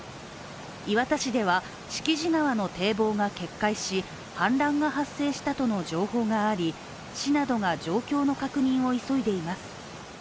磐田市では敷地川の堤防が決壊し氾濫が発生したとの情報があり、市などが状況の確認を急いでいます。